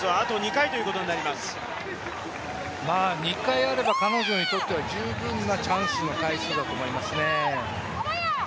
２回あれば彼女にとっては十分なチャンスの回数だと思いますね。